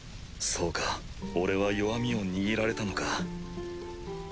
そうか俺は弱みを握られたのか。